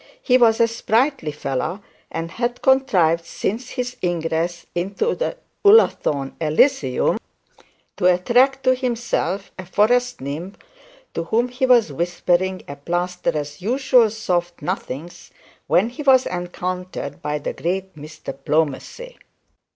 He was a sprightly fellow, and had contrived since his egress into the Ullathorne elysium to attract to himself a forest nymph, to whom he was whispering a plasterer's usual soft nothings, when he was encountered by the great Mr Plomacy.